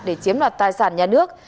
để chiếm loạt tài sản nhà nước